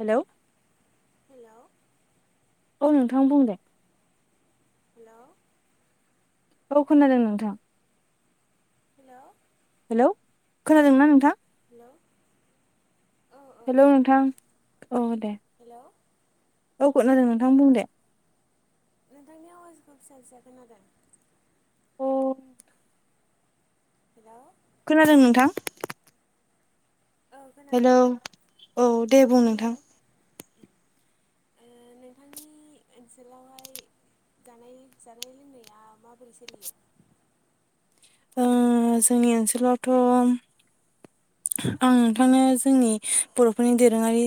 Hello hello औ नोंथां बुं दे। हेल' औ खोनादों नोंथां। हेल' हेलौ खोनादोंना नोंथां? हेल' औ औ हेलौ नोंथां खोनाबाय औ दे हेल' औ खोनादों नोंथां बुं दे। नोंथांनि आवाजखौ फिसा फिसा खोनादों। अ हेलौ खोनादों नोंथां? औ खोनादों हेलौ औ दे बुं नोंथां हेल' ओ नोंथांनि ओनसोलावहाय जानाय जानाय लोंनाया माबोरै सोलियो? ओ जोंनि ओनसोलावथ' आं नोंथांनो जोंनि बर'फोरनि दोरोङारि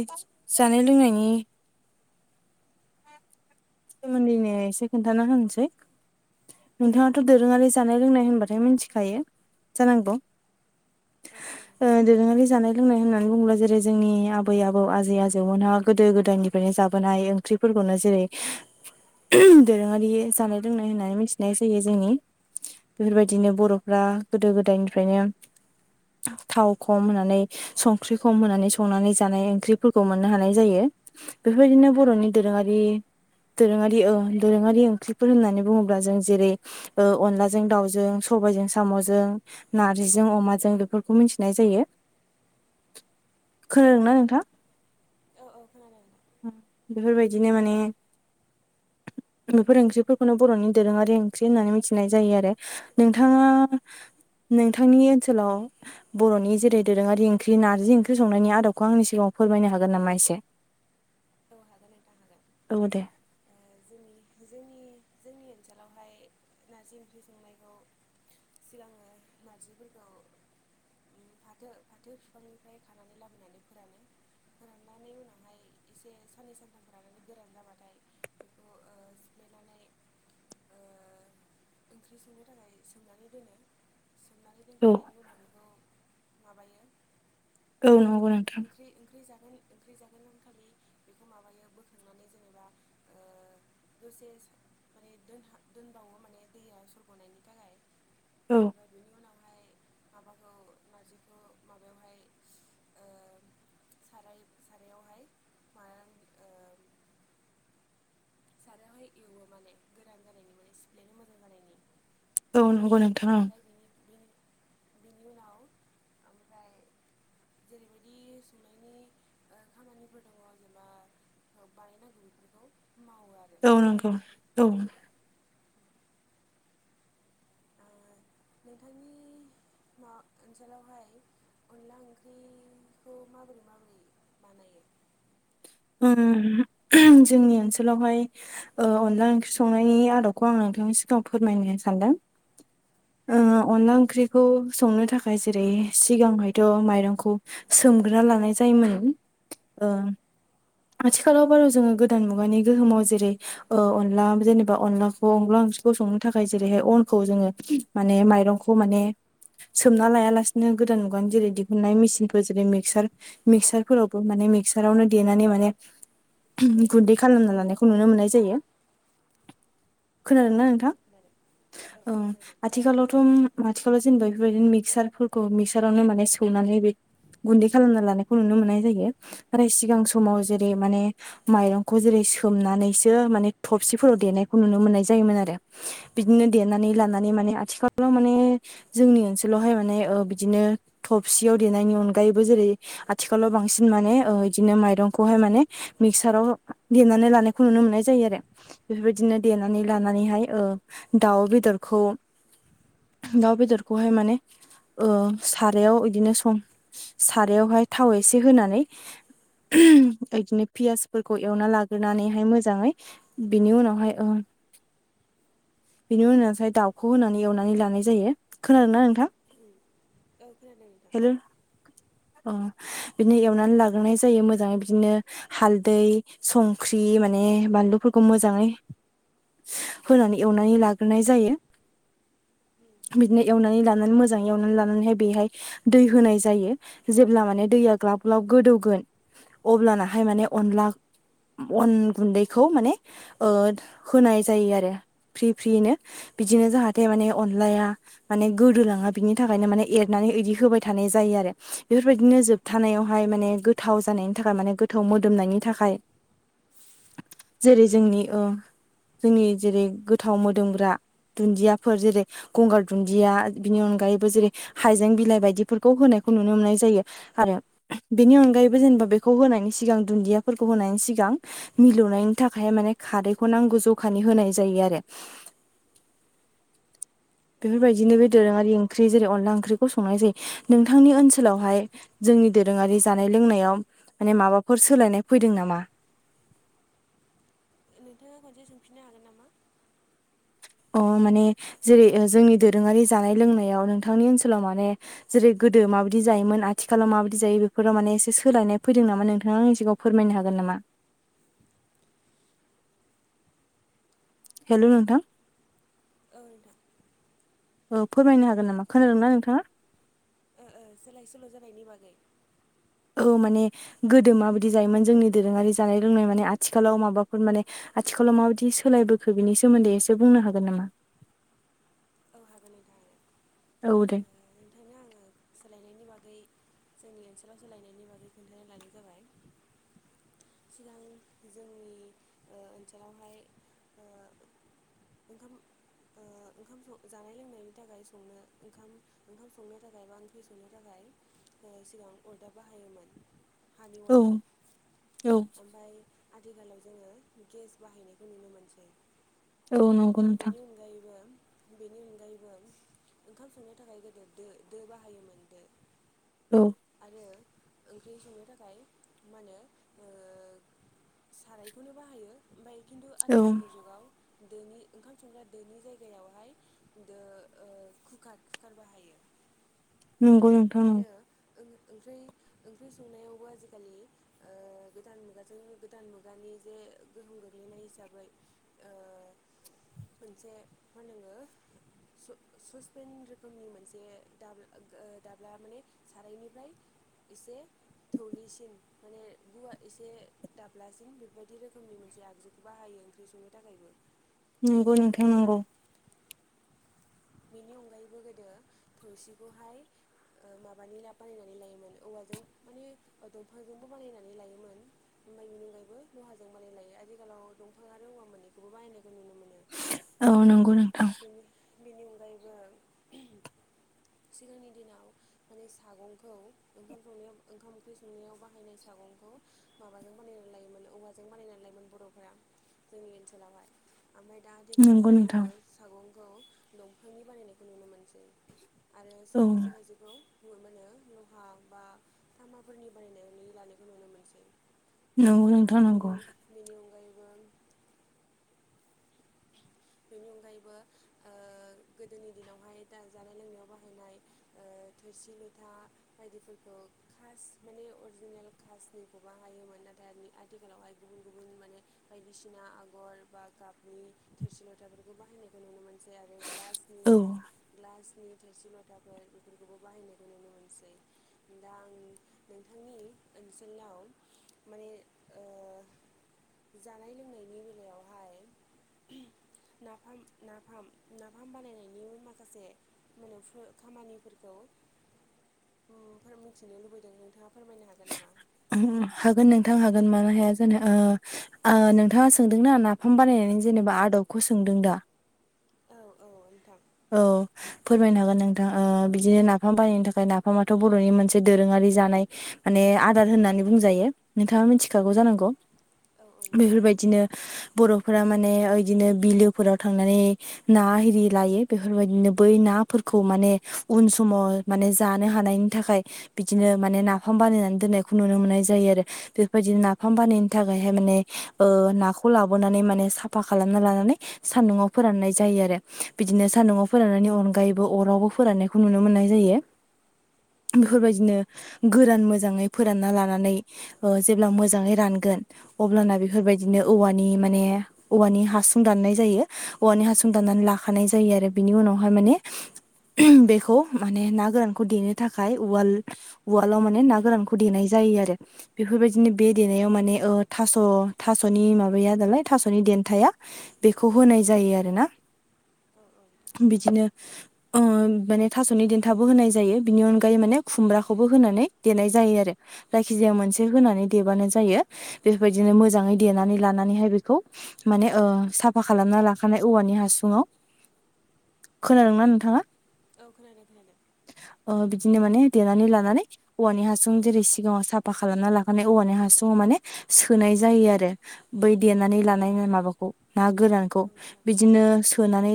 जानाय लोंनायनि सोमोन्दैनो एसे खोन्थाना होनोसै। नोंथाङाथ' दोरोङारि जानाय लोंनाय होनबाथाय मिथिखायो जानांगौ! औ औ ओ नोंथां दोरोङारि जानाय लोंनाय होननानै बुङोब्ला जेरै जोंनि आबै आबौ आजै आजौमोनहा गोदो गोदायनिफ्रायनो जाबोनाय ओं ओंख्रिफोरखौनो जेरै दोरोङारि जानाय लोंनाय होननानै मिथिनाय जायो जोंनि। बेफोरबायदिनो बर'फ्रा गोदो गोदायनिफ्रायनो थाव खम होनानै संख्रि खम संनानै जानाय ओंख्रिफोरखौ मोननो हानाय जायो। बेफोरबायदिनो बर'नि दोरोङारि दोरोङारि ओ दोरोङारि ओंख्रिफोर होननानै बुङोब्ला जों जेरै ओ अनलाजों दाउजों सबायजों साम'जों नार्जिजों अमाजों बेफोरखौ मिथिनाय जायो। औ खोनादोंना नोंथां औ औ औ खोनादों। बेफोरबायदिनो माने बेफोर ओंख्रिफोरखौनो बर'नि दोरोङारि ओंख्रि होननानै मिथिनाय जायो आरो। नोंथाङा नोंथांनि ओनसोलाव बर'नि जेरै दोरोङारि ओंख्रि नारजि ओंख्रि संनायनि आदबखौ आंनि सिगाङाव फोरमायनो हागोन नामा एसे? औ हागोन नोंथां हागोन। औ दे। ओ जोंनि जोंनि जोंनि ओनसोलावहाय नारजि ओंख्रि संनायखौ सिगांङो नारजिफोरखौ फाथो फाथो बिफांनिफ्राय खानानै लाबोनानै फोरानो। राननानै उनावहाय एसे साननै सानथामफ्रानो गोरान जाबाथाय बेखौ सिफ्लेनानै ओ ओंख्रि संनो थाखाय सोमनानै दोनो। सोमनानै औ दोनखांनायनि उनाव बेखौ माबायो। औ नंगौ नोंथां। ओंख्री जागोन ओंख्रि जागोन आ थाखायै बेखौ माबायो बोथुमनानै जेनेबा ओ दसे माने दोनबावो माने दैया सरग'नायनि थाखाय। औ ओमफाय बेनि उनाव हाय। माबाखौ नारजिखौ माबायावहाय ओ साराय सारावहाय मा ओम सारहाय इवो माने गोरान जानायनि माने सिप्लेनो मोजां जानायनि। औ नंगौ नोंथां ओमफ्राय औ बिनि बिनि बिनिउनाव ओमफ्राय जेरैबायदि संनायनि ओ खामानिफोर दङ जेनेबा औ बानायनो गुरैफोरखौ मावो आरो। [unintelligible] ओ नोंथांनि म ओनसोलावहाय अनला ओंख्रिखौ माबोरै माबोरै बानायो? उम जोंनि ओनसोलावहाय ओ अनला ओंख्रि संनायनि आदबखौ आं नोंथांनि सिगाङाव फोरमायनो सानदों। ओ अनला ओंख्रिखौ संनो थाखाय जेरै सिगांहायथ' माइरंखौ सोमगोरोना लानाय जायोमोन ओं। आथिखालाव बार' जोङो मुगानि गोहोमाव जेरै ओ अनला जेनेबा अनलाखौ अनला ओंख्रिखौ संनो थाखाय जेरैहाय अनखौ जोङो माने माइरंखौ माने‌ सोमना लायालासिनो गोदान मुगानि जेरै दिहुननाय मेसिनफोर जेरै मिक्सार मिक्सार फोरावबो माने मिक्सारावनो देनानै माने म गुन्दै खालामना लानायखौ नुनो मोननाय जायो। खोनादों उम ना नोंथां? खोनादों औ आथिखालावथ' माथिखालाव जेनेबा बेफोरबायदिनो मिक्सारफोरखौ मिक्सारावनो माने सौनानै बे गुन्दै खालामना लानायखौ नुनो मोननाय जायो, नाथाय सिगां समाव उम जेरै माने माइरंखौ जेरै सोमनानैसो माने थबसिफोराव देनायखौ नुनो मोननाय जायोमोन आरो। बिदिनो औ देरनानै उम लानानै माने आथिखालाव माने जोंनि ओनसोलावहाय माने ओ बिदिनो थबसियाव देनायनि अनगायैबो जेरै आथिखालाव बांसिन माने ओ बिदिनो माइरं खौहाय माने मिक्साराव देनानै लानायखौ नुनो मोननाय जायो आरो। बेफोरबायदिनो देनानै लानानैहाय ओ दाउ बेदरखौ दाउ बेदरखौहाय माने ओ सारायाव इदिनो सं सारायावहाय थाव एसे होनानै इदिनो पियासफोरखौ एवना लाग्रोनानैहाय मोजाङै बिनि उनावहाय ओ बिनि उनावसाय दाउखौ होनानै एवनानै लानाय जायो खोनादों ना नोंथां? उम्म औ खोनादों नोंथां। हेलौ अ बिदिनो एवनानै लाग्रोनाय जायो मोज मोजाङै बिदिनो हालदै संख्रि माने बानलुफोरखौ मोजाङै होनानै एवनानै लाग्रोनाय जायो। बिदिनो एवनानै लानानै मोजाङै एवनानै लानानैहाय बेहाय दै होनाय जायो जेब्ला माने दैया ग्लाब ग्लाब गोदौगोन अब्लानाहाय माने अनला अन गुन्दैखौ माने ओ होनाय जायो आरो फ्रि फ्रियैनो। बिदिनो जाहाथे माने अनलाया माने गोदोलाङा बिनि थाखायनो माने एरनानै इदि होबाय थानाय जायो आरो बेफोरबायदिनो जोब थानायावहाय माने गोथाव जानायनि थाखाय माने गोथाव मोदोमनायनि थाखाय जेरै जोंनि ओ जोंनि जेरै गोथाव मोदोमग्रा दुन्दियाफोर जेरै गंगार दुन्दिया बिनि अनगायैबो जेरै हाइजें बिलाइ बायदिफोरखौ होनायखौ नुनो मोननाय जायो। आरो बेनि अनगायैबो जेनेबा बेखौ होनायनि सिगां दुन्दियाफोरखौ होनायनि सिगां मिलौनायनि थाखाय माने खारैखौ नांगौ ज'खानि होनाय जायो आरो। ओ ओ ओ बेफोरबायदिनो बे नोंथां दोरोङारि ओंख्रि जेरै अनला ओंख्रिखौ संनाय जायो नोंथांनि ओनसोलावहाय जोंनि दोरोङारि जानाय लोंनायाव माने माबाफोर सोलायनाय फैदों नामा? नोंथाङा खनसे सोंफिननो हागोन नामा? अ माने जेरै ओ जोंनि दोरोङारि जानाय लोंनायाव नोंथांनि ओनसोलाव माने जेरै गोदो माबायदि जायोमोन आथिखालाव माबादि जायो बेफोराव माने एसे सोलायनाय फैदों नामा नोंथाङा आंनि सिगांङाव फोरमायनो हागोन नामा? हेल' नोंथां। औ नोंथां। ओ फोरमायनो हागोन नामा खोनादों ना नोंथाङा? ओ ओ सोलाय सोल' जानायनि बागै औ माने गोदो माबायदि जायोमोन जोंनि दोरोङारि जानाय लोंनाय माने आथिखालाव माबाफोर माने आथिखालाव माबायदि सोलायबोखो बिनि सोमोन्दै एसे बुंनो हागोन नामा? औ हागोन नोंथां। हागोन औ दे। ओ नोंथांनो आंङो सोलायनायनि बागै जोंनि ओनसोलाव सोलायनायनि बागै खोन्थानो लानाय जाबाय सिगांनि जोंनि ओ ओनसोलावहाय ओ ओंखाम ओ ओंखाम स जानाय लोंनायनि थाखाय संनो ओंखाम ओंखाम संनो थाखाय बा ओंख्रि संनो थाखाय ओ सिगां अर्दाब बाहायोमोन। हानि औ अदाब औ ओमफ्राय आथिखालाव जोङो गेस बाहायनायखौ नुनो मोनसै। औ नंगौ नोंथां बेनि अनगायैबो बेनि अनगायैबो ओंखाम संनो थाखाय दो दो बाहायोमोन दो। औ आरो ओंख्रि संनो थाखाय माहोनो ओ सारायखौनो बाहायो ओमफ्राय खिन्थु औ आथिखालनि जुगाव दोनि ओंखाम संग्रा दोनि जायगायावहाय दो‌‌ ओ‌ कुकार कुकार बाहाय नंगौ नोंथां थायो आरो ओं ओंख्रि ओंख्रि संनायावबो आजिखालि ओ गोदान मुगाजों गोदान मुगानि जे गोहोम गोग्लैनाय हिसाबै ओ मोनसे [unintelligible] ससपेन रोखोनि मोन जे दाब ओ दाब्ला माने सारायनिफ्राय एसे थौलिसिन माने गुवार एसे दाब्लासिन बेफोरबायदि रोखोमनि मोनसे आगजु बाहायो ओंख्रि संनो थाखायबो। नंगौ बेनि नंगौ नोंथां अगायैबो नंगौ बिनि अनगायैबो गोदो थौसिखौहाय ओ माबानि ला बानायनानै लायोमोन औवाजों मानि दंफांजोंबो बानायनानै लायोमोन। [unintelligible] अनगायैबो लहाजों बानायना लायो आजिखालाव दंफां आरो औवा मोननैखौबो बाहायनायखौ नुनो मोनो। औ आरो बेनि नंगौ नोंथां बेनि बेनि अनगायैबो सिगांनि दिनाव माने सागंखौ ओंखाम संनायाव ओंखाम ओंख्रि संनायाव बाहायनाय सागंखौ माबाजों बानायनानै लायोमोन औवाजों बानायनानै लायोमोन बर'फोरा जोंनि ओनसोलावहाय। ओमफ्राय दा नंगौ आथिखालावहाय नोंथां जोङो सागंखौ दंफांनि बानायनायखौ नुनो मोनोसै। आरो औ खायसे खायसेखौ [unintelligible] मोनो लहा बा तामाफोरनि बानायनानै लानायखौ नुनो मोनसै। नंगौ नोंथां आरो नंगौ बेनि बेनि‌ अनगायैबो बेनि अनगायैबो ओ गोदोनि दिनावहाय दा जानाय लोंनायाव बाहायनाय ओ थोरसि लथा बायदिफोरखौ कास्ट माने अरिजिनेल कासटनिखौ बाहायोमोन नाथाय आथिखालावहाय गुबुन गुबुन माने बायदिसिना आगर बा गाबनि थोरसि लथाफोरखौ बाहायनायखौ नुनो मोनो। आरो ग्लासनि औ [unintelligible] ग्लासनि थोरसि लथाफोर बेफोरखौबो बाहायनायखौ नुनो मोनसै। दा आं नोंथांनि ओनसोलाव माने ओ जानाय लोंनायनि बेलायावहाय नाफाम नाफाम नाफाम बानायनायनिबो माखासे मोननैसो खामानिफोरखौ [unintelligible] मिथिनो लुबैदों नोंथाङा फोरमायनो हागोन नामा? उम हागोन नोंथां हागोन मानो हाया जानो ओ आ नोंथाङा सोंदों ना नाफाम बानायनायनि जेनेबा आदबखौ सोंदों दा? औ औ नोंथां। औ फोरमायनो हागोन नोंथां ओ बिदिनो नाफाम बायनो थाखाय नाफामाथ' बर'नि मोनसे दोरोङारि जानाय माने आदार होननानै बुंजायो। नोंथाङा मिथिखागौ उम जानांगौ‌। औ औ नोंथां बेफोरबायदिनो बर'फोरा माने इदिनो बिलोफोराव थांनानै ना आरि लायो। बेफोरबायदिनो बै नाफोरखौ माने उन समाव माने जानो हानायनि थाखाय बिदिनो माने नाफाम बानायनानै दोननायखौ नुनो मोननाय जायो आरो बेफोरबायदिनो नाफाम बानायनो थाखायहाय माने ओ नाखौ लाबोनानै माने साफा खालामना लानानै। सान्दुंआव फोराननाय जायो आरो बिदिनो, सान्दुंआव फोराननायनि अनगायैबो अरावबो फोराननायखौ नुनो मोननाय जायो। औ नोंथां बेफोरबायदिनो गोरान मोजाङै फोरानना लानानै ओ जेब्ला मोजाङै रानगोन अब्लाना बेफोरबायदिनो औवानि माने, औवानि हासुं दाननाय जायो औवानि हासुं दाननानै लाखानाय जायो आरो बिनि उनावहाय माने, ओम बेखौ माने ना गोरानखौ देनो थाखाय उवाल उवालाव माने ना गोरानखौ देनाय जायो आरो बेफोरबायदिनो बे देनायाव माने ओ थास' थास'नि माबाया दालाय थास'नि देन्थाया। बेखौ होनाय जायो आरो ना। औ औ नोंथां बिदिनो। ओ माने थास'नि देन्थाबो होनाय जायो। बिनि अनगायै माने खुमब्राखौबो होनानै देनाय जायो आरो जायखिजाया मोनसे होनानै देबानो जायो। बेफोरबायदिनो मोजाङै देनानै लानानैहाय बेखौ, माने ओ साफा खालामना लाखानाय औवानि हासुङाव, खोनादों ना नोंथाङा? औ खोनादों खोनादों। अ बिदिनो माने देनानै लानानै, औवानि हासुं जेरै सिगाङाव साफा खालामना लाखानाय औवानि हासुङाव माने सोनाय जायो आरो बै देनानै लानाय माबाखौ ना गोरानखौ औ नोंथां बिदिनो औ सोनानै,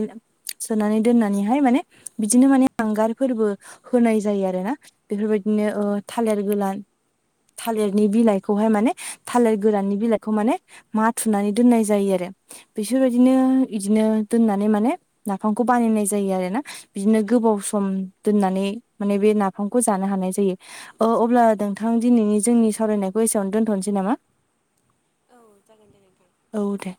सोनानै दोननानैहाय माने बिदिनो माने हांगार फोरबो, होनाय जायो आरो ना बेफोरबायदिनो ओ थालिर गोलान। थालिरनि बिलाइखौहाय माने थालिर गोराननि बिलाइखौ माने, माथुनानै दोननाय जायो आरो बिसोरबायदिनो इदिनो दोननानै माने, नाफामखौ बानायनाय जायो आरो ना। बिदिनो गोबाव सम दोननानै माने बे नाफामखौ जानो हानाय जायो। अ अब्ला उम, नोंथां दिनैनि जोंनि सावरायनायखौ एसेयावनो दोनथ'नोसै नामा? औ जागोन दे नोंथां। औ दे।